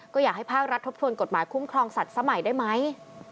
ก็อยากให้ภาครัฐทบทวนกฎหมายคุ้มครองสัตว์สมัยได้ไหม